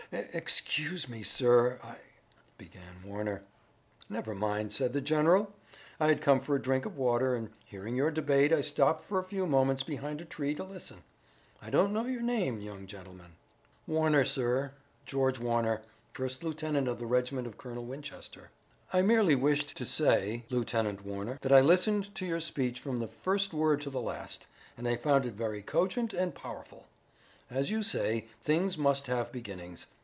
"Excuse me, sir, I " began Warner. "Never mind," said the general. "I had come for a drink of water, and hearing your debate I stopped for a few moments behind a tree to listen. I don't know your name, young gentleman." "Warner, sir, George Warner, first lieutenant in the regiment of Colonel Winchester." "I merely wished to say, Lieutenant Warner, that I listened to your speech from the first word to the last, and I found it very cogent and powerful. As you say, things must have beginnings.